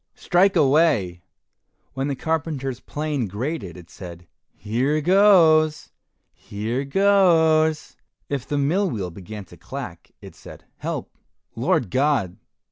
strike away." When the carpenter's plane grated, it said, "Here goes! here goes." If the mill wheel began to clack, it said, "Help, Lord God!